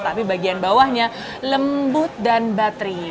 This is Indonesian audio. tapi bagian bawahnya lembut dan bateri